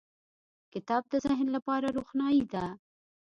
• کتاب د ذهن لپاره روښنایي ده.